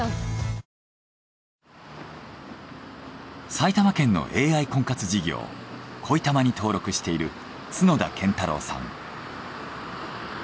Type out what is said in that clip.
埼玉県のＡＩ婚活事業恋たまに登録している角田健太郎さん。